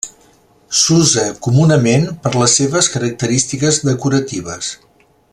S'usa comunament per les seves característiques decoratives.